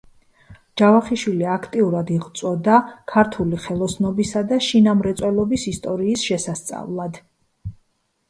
ჯავახიშვილი აქტიურად იღვწოდა ქართული ხელოსნობისა და შინამრეწველობის ისტორიის შესასწავლად.